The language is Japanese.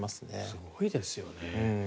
すごいですよね。